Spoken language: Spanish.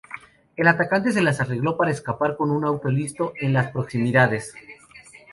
El atacante se las arregló para escapar con un auto listo en las proximidades.